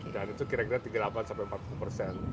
dan itu kira kira tiga puluh delapan hingga empat puluh persen